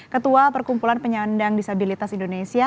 ketua perkumpulan penyandang disabilitas indonesia